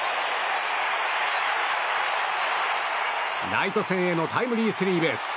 ライト線へのタイムリースリーベース。